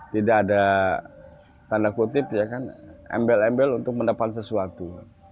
tidak ada tanda kutip ya kan embel embel untuk mendapatkan sesuatu